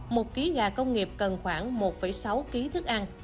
một ký nhà công nghiệp cần khoảng một sáu ký thức ăn